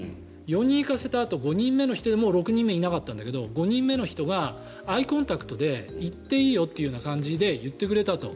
４人行かせたあと６人目の人はいなかったんだけど５人目の人がアイコンタクトで行っていいよというような感じで言ってくれたと。